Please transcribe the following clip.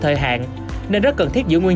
thời hạn nên rất cần thiết giữ nguyên